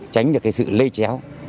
tránh được cái sự lây chéo